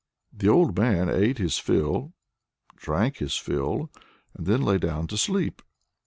The old man ate his fill, drank his fill, and then lay down to sleep.